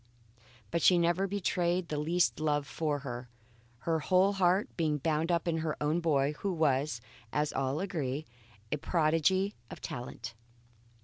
But she never betrayed the least love for her, her whole heart being bound up in her boy, who was, as all agree, a prodigy of talent.